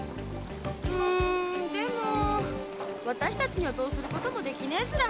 うんでも私たちにはどうすることもできねえずら。